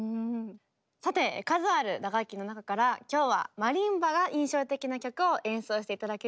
さて数ある打楽器の中から今日はマリンバが印象的な曲を演奏して頂けるんですよね。